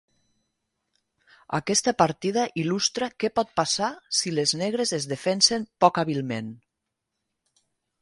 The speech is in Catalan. Aquesta partida il·lustra què pot passar si les negres es defensen poc hàbilment.